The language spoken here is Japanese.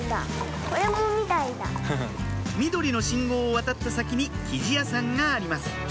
緑の信号を渡った先に生地屋さんがあります